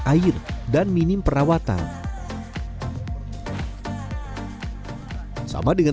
air dan minim perawatan sama dengan